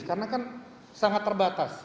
karena kan sangat terbatas